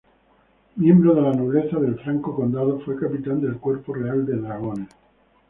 Miembro de la nobleza del Franco Condado, fue capitán del cuerpo real de dragones.